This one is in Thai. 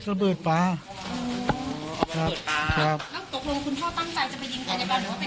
หรือว่าไปคุยกันอย่างไรคุณ